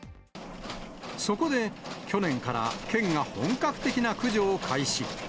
そこで、去年から県が本格的な駆除を開始。